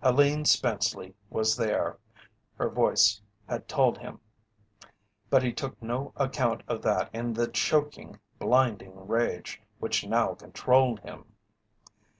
Helene Spenceley was there; her voice had told him; but he took no account of that in the choking, blinding rage which now controlled him.